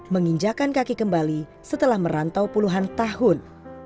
menginjakan kaki kembali setelah merantau puluhan tahun